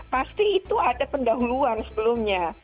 pasti itu ada pendahuluan sebelumnya